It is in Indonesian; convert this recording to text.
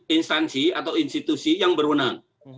instansi atau institusi yang berwenang